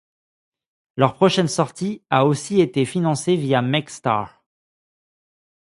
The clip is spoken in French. Leur prochaine sortie a aussi été financée via Makestar.